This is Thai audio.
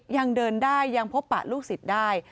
ยังเดินได้ยังพบปะลูกศิษย์ได้